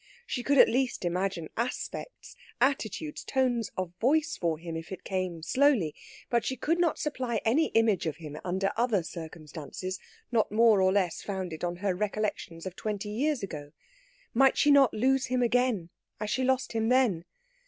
She could at least imagine aspects, attitudes, tones of voice for him if it came slowly; but she could not supply any image of him, under other circumstances, not more or less founded on her recollections of twenty years ago. Might she not lose him again, as she lost him then?